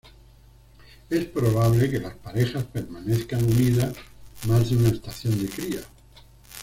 Es probable que las parejas permanezcan unidas más de una estación de cría.